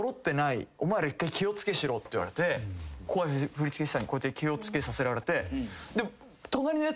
お前ら一回気を付けしろって言われて振り付け師さんにこうやって気を付けさせられて。